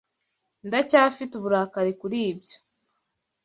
Ndacyafite uburakari kuri ibyo